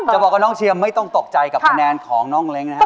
บอกว่าน้องเชียร์ไม่ต้องตกใจกับคะแนนของน้องเล้งนะครับ